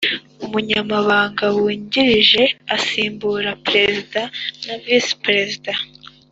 umunyamabanga wungirije Asimbura perezida na visi perezida